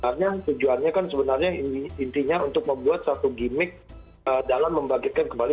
karena tujuannya kan sebenarnya intinya untuk membuat satu gimmick dalam membangkitkan kembali